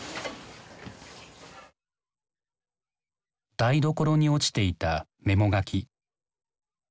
台所に落ちていたメモ書き。